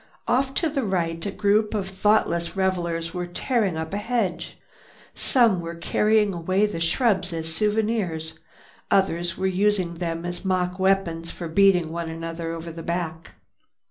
Off to the right a group of thoughtless revelers were tearing up a hedge. Some were carrying away the shrubs as souvenirs, others were using them as mock weapons for beating one another over the back.